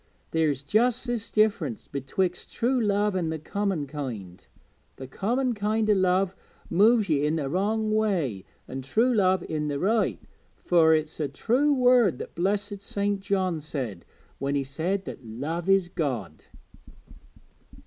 There's just this diff'rence betwixt true love an' the common kind the common kind o' love moves ye i' the wrong way, an' true love i' the right; fur it's a true word the blessed St. John said when he said that love is God.'